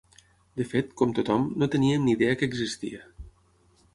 De fet, com tothom, no teníem ni idea que existia.